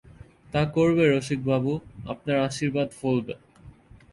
তা করবে রসিকবাবু, আপনার আশীর্বাদ ফলবে।